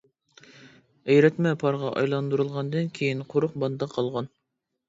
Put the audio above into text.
ئېرىتمە پارغا ئايلاندۇرۇلغاندىن كېيىن، قۇرۇق ماددا قالغان.